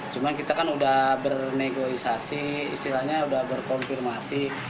cuman kita kan udah bernegosiasi istilahnya udah berkonfirmasi